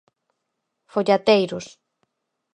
Follateiros.